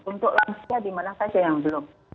untuk lansia di mana saja yang belum